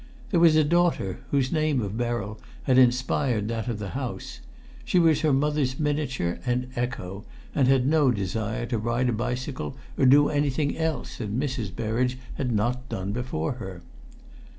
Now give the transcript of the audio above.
There was a daughter, whose name of Beryl had inspired that of the house; she was her mother's miniature and echo, and had no desire to ride a bicycle or do anything else that Mrs. Berridge had not done before her.